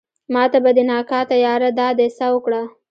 ماته به دې نه کاته ياره دا دې څه اوکړه